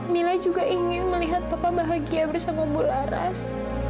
mila juga ingin melihat papa bahagia bersama mula ras